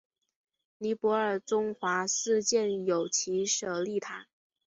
尼泊尔中华寺建有其舍利塔。